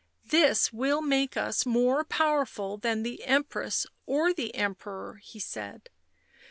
" This will make us more powerful than the Empress or the Emperor," he said.